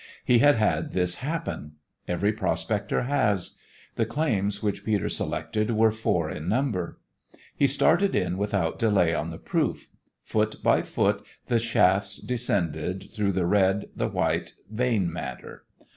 He had had this happen. Every prospector has. The claims which Peter selected were four in number. He started in without delay on the proof. Foot by foot the shafts descended through the red, the white, vein matter.